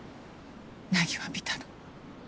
凪は見たの。